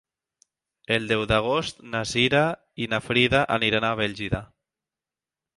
El deu d'agost na Cira i na Frida aniran a Bèlgida.